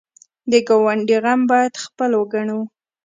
د ګاونډي غم باید خپل وګڼو